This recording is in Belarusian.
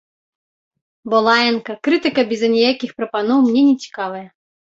Бо лаянка, крытыка без аніякіх прапаноў мне нецікавая.